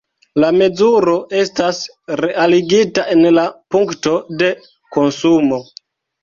La mezuro estas realigita en la punkto de konsumo.